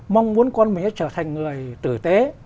mong muốn con mình trở thành người tử tế